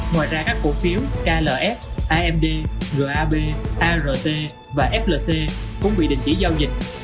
ngoài ra các quà phiếu klf amd gab art và flc cũng bị định chỉ giao dịch